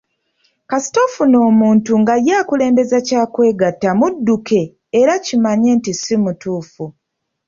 Kasita ofuna omuntu nga ye akulembeza kya kwegatta mudduke era kimanye nti si mutuufu.